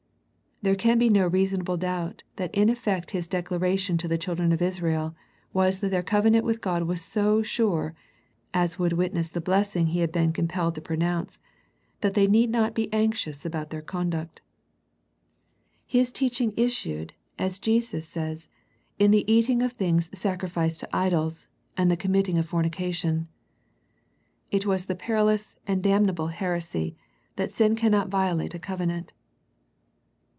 There can be no reasonable doubt that in effect his declara tion to the children of Israel was that their covenant with God was so sure, as would wit ness the blessing he had been compelled to pronounce, that they need not be anxious about their conduct. His teaching issued, as Jesus says, in the eating of things sacrificed to idols, and the committing of fornication. It was the perilous and damnable heresy that sin cannot violate a covenant.